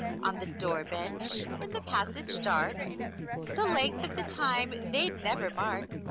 On the door bench, in the passage dark, The length of the time they'd never mark.